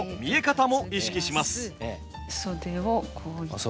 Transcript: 袖をこういって。